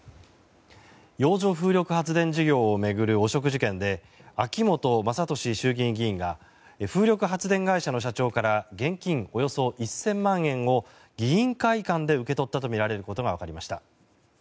洋上風力発電事業を巡る汚職事件で秋本真利衆議院議員が風力発電会社の社長から現金およそ１０００万円を議員会館で受け取ったとみられることがわかりました。